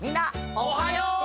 おはよう！